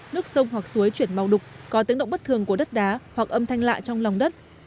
nước sông hoặc suối chuyển màu đục có tiếng động bất thường của đất đá hoặc âm thanh lạ trong lòng đất